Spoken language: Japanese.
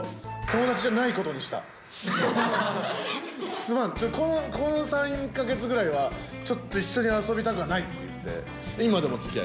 「すまんこの３か月ぐらいはちょっと一緒に遊びたくない」って言って。